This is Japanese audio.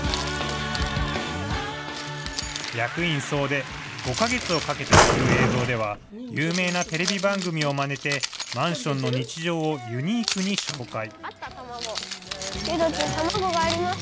役員総出、５か月をかけて作る映像では、有名なテレビ番組をまねて、マンションの日常をユニークに紹介。